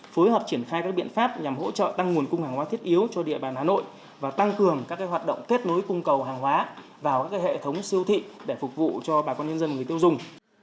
phối hợp triển khai các biện pháp nhằm hỗ trợ tăng nguồn cung hàng hóa thiết yếu cho địa bàn hà nội và tăng cường các hoạt động kết nối cung cầu hàng hóa vào các hệ thống siêu thị để phục vụ cho bà con nhân dân người tiêu dùng